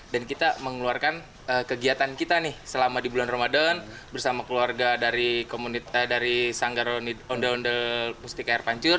dan kita mengeluarkan kegiatan kita nih selama di bulan ramadan bersama keluarga dari sanggar ondel ondel mustika air pancur